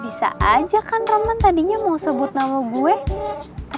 bisa aja kan roman tadinya mau sebut come gue butnya udah ga boleh nih